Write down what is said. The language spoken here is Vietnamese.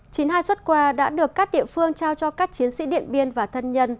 chín hai xuất quà đã được các địa phương trao cho các chiến sĩ điện biên và thân nhân